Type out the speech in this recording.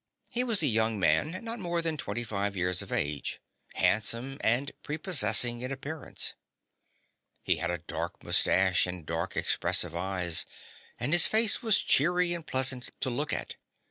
He was a young man, not more than twenty five years of age, handsome and prepossessing in appearance. He had a dark moustache and dark, expressive eyes, and his face was cheery and pleasant to look at.